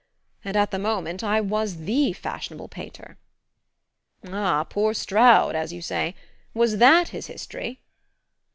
And at the moment I was THE fashionable painter." "Ah, poor Stroud as you say. Was THAT his history?"